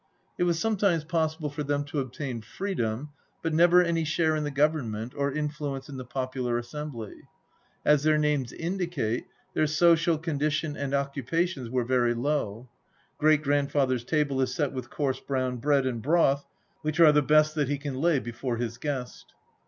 It was sometimes possible for them to obtain freedom, but never any share in the government, or influence in the popular assembly. As their names indicate, their social condition and occupations were very low. Great grandfather's table is set with coarse brown bread and broth, which are the best that he can lay before his guest.